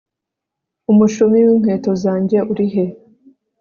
umushumi winkweto zange urihe